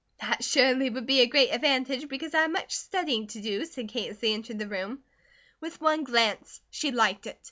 "That surely would be a great advantage, because I have much studying to do," said Kate as they entered the room. With one glance, she liked it.